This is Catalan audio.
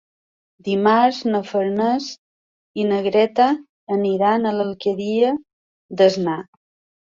Dimarts na Farners i na Greta aniran a l'Alqueria d'Asnar.